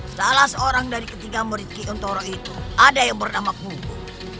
setelah seorang dari ketiga murid kiuntoro itu ada yang bernama kumbu